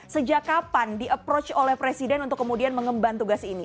sejak kapan di approach oleh presiden untuk kemudian mengemban tugas ini